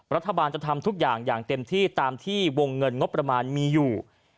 รัฐบาลจะทำทุกอย่างอย่างเต็มที่ตามที่วงเงินงบประมาณมีอยู่